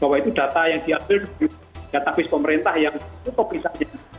bahwa itu data yang diambil sebagai database pemerintah yang cukup bisa